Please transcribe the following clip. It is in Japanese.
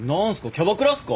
キャバクラっすか？